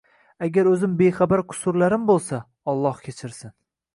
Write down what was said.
Agar o'zim bexabar qusurlarim bo'lsa, Alloh kechirsin